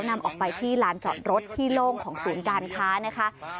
นำออกไปที่ลานจอดรถที่โล่งของศูนย์การค้านะคะ